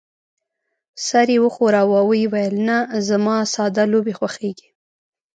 سر يې وښوراوه او وې ویل: نه، زما ساده لوبې خوښېږي.